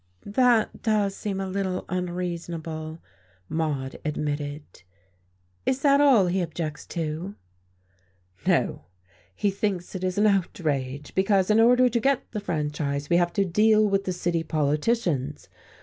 "That does seem a little unreasonable," Maude admitted. "Is that all he objects to?" "No, he thinks it an outrage because, in order to get the franchise, we have to deal with the city politicians.